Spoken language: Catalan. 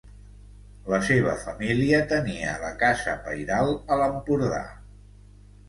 La seva família tenia la casa pairal a l'Empordà.